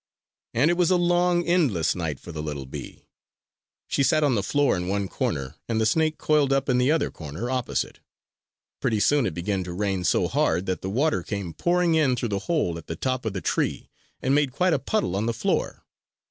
And it was a long, endless night for the little bee. She sat on the floor in one corner and the snake coiled up in the other corner opposite. Pretty soon it began to rain so hard that the water came pouring in through the hole at the top of the tree and made quite a puddle on the floor.